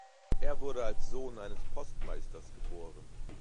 Er wurde als Sohn eines Postmeisters geboren.